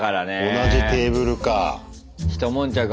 同じテーブルか。